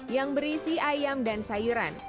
yang berisi ayam dan sayuran